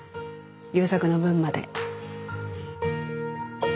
優作の分まで。